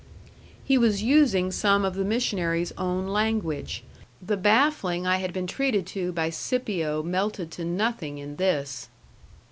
He was using some of the missionary's own language. The baffling I had been treated to by Scipio melted to nothing in this.